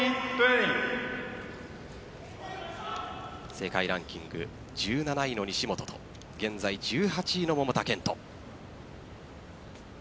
世界ランキング１７位の西本と現在１８位の桃田賢斗。